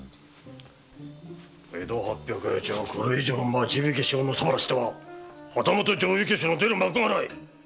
江戸八百八町これ以上町火消しをのさばらせては旗本定火消しの出る幕がない！